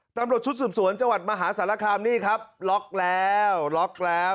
ตำรวจชุดสืบสวนจังหวัดมหาสารคามนี่ครับล็อกแล้วล็อกแล้ว